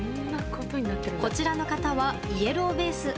こちらの方は、イエローベース。